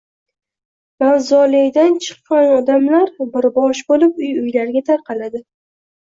Mavzoleydan chiqqan odamlar bir boshqa bo‘lib... uy-uylariga tarqaladi.